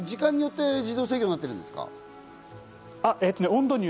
時間によって、自動制御になってるんですか？